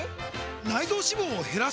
内臓脂肪を減らす！？